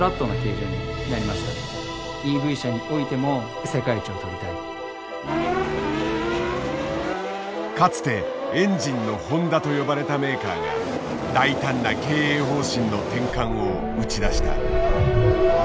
走らせていたのはかつて「エンジンのホンダ」と呼ばれたメーカーが大胆な経営方針の転換を打ち出した。